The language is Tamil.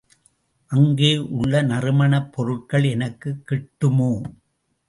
அங்கே உள்ள நறுமணப் பொருட்கள் எனக்குக் கிட்டுமோ?